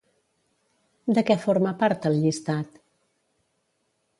De què forma part el llistat?